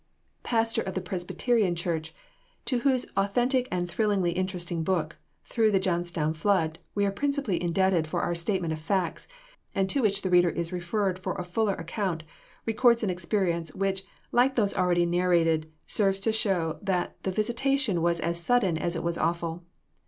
pastor of the Presbyterian church, to whose authentic and thrillingly interesting book "Through the Johnstown Flood," we are principally indebted for our statement of facts, and to which the reader is referred for a fuller account, records an experience, which, like those already narrated, serves to show that the visitation was as sudden as it was awful.